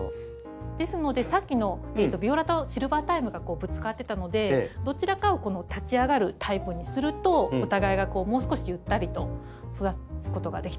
ですのでさっきのビオラとシルバータイムがぶつかってたのでどちらかを立ち上がるタイプにするとお互いがもう少しゆったりと育つことができたかなという。